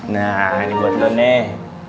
nah ini buat dulu nih